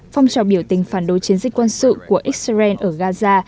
phong trào biểu tình phản đối chiến dịch quân sự của israel ở gaza